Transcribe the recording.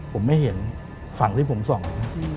ผมไม่เห็นฝั่งที่ผมส่อง